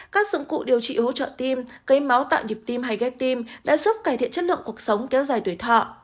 các dụng cụ điều trị hỗ trợ tim cây máu tạo nhịp tim hay ghép tim đã giúp cải thiện chất lượng cuộc sống kéo dài tuổi thọ